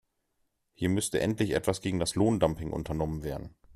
Hier müsste endlich etwas gegen das Lohndumping unternommen werden.